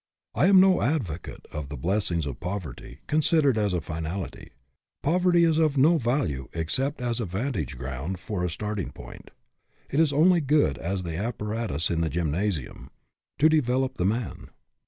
I am no advocate of the blessings of poverty, considered as a finality. Poverty is of no value except as a vantage ground for a start ing point. It is only good as is the appara tus in the gymnasium to develop the man.